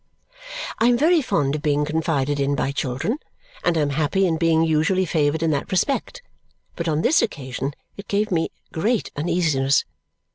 I am very fond of being confided in by children and am happy in being usually favoured in that respect, but on this occasion it gave me great uneasiness.